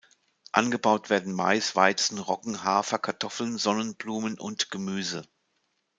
Angebaut werden Mais, Weizen, Roggen, Hafer, Kartoffeln, Sonnenblumen und Gemüse.